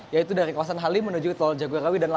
yaitu dari kawasan halim menuju tol jaguarawi